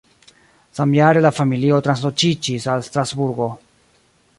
Samjare la familio transloĝiĝis al Strasburgo.